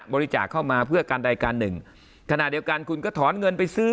บริจาคเข้ามาเพื่อการใดการหนึ่งขณะเดียวกันคุณก็ถอนเงินไปซื้อ